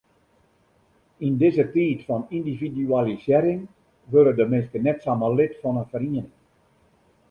Yn dizze tiid fan yndividualisearring wurde de minsken net samar lid fan in feriening.